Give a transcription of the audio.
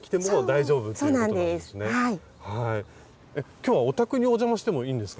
今日はお宅にお邪魔してもいいんですか？